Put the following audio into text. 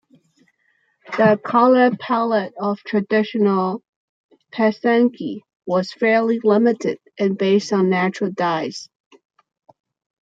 The color palette of traditional pysanky was fairly limited, and based on natural dyes.